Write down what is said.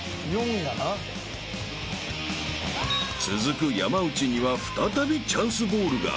［続く山内には再びチャンスボールが］